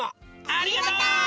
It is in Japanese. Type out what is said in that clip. ありがとう！